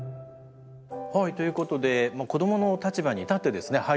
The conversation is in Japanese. はいということで子どもの立場に立ってですね